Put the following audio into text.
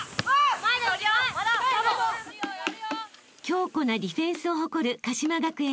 ［強固なディフェンスを誇る鹿島学園